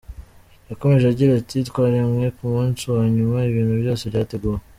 Yakomeje agira ati “Twaremwe ku munsi wa nyuma ibintu byose byateguwe.